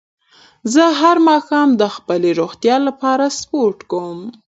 زه هر ماښام د خپلې روغتیا لپاره سپورت کووم